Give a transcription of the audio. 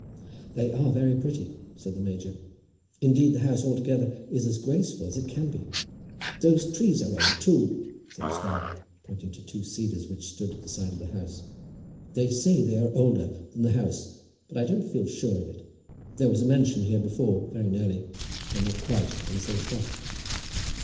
"They are very pretty," said the major. "Indeed, the house altogether is as graceful as it can be." "Those trees are old, too," said the squire, pointing to two cedars which stood at the side of the house. "They say they are older than the house, but I don't feel sure of it. There was a mansion here before, very nearly, though not quite, on the same spot."